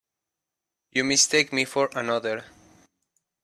You mistake me for another.